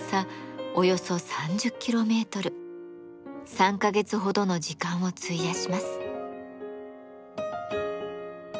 ３か月ほどの時間を費やします。